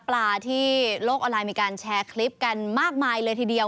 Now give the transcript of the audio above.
ปลาที่โลกออนไลน์มีการแชร์คลิปกันมากมายเลยทีเดียว